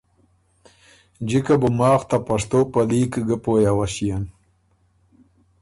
جکه بُو ماخ ته پشتو په لیک ګۀ پوی اؤݭيېن۔